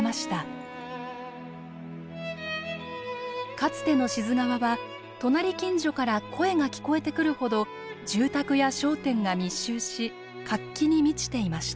かつての志津川は隣近所から声が聞こえてくるほど住宅や商店が密集し活気に満ちていました。